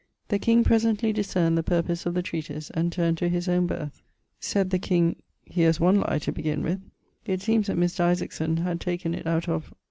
The presently discerned the purpose of the treatise, and turned to his owne birth; sayd the King, 'Here's one lye to begin with.' It seemes that Mr. Isaacson had taken it out of